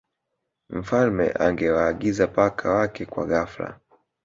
mfalme angewaagiza paka Wake kwa ghafla